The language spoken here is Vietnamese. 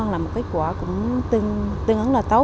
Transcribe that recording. là một cái quả cũng tương ứng là tốt